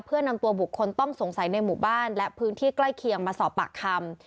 เพื่อนำตัวบุคคลต้องสงสัยในหมู่บ้านและพื้นที่ใกล้เคียงมาสอบปากคำ